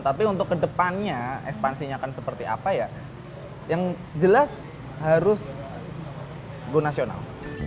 tapi untuk kedepannya ekspansinya akan seperti apa ya yang jelas harus go nasional